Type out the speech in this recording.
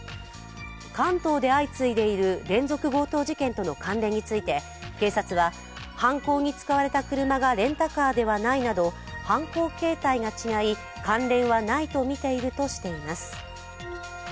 関東で相次いでいる連続強盗事件との関連について、警察は、犯行に使われた車がレンタカーではないなど、犯行形態が違い、関連がないとみているとしています。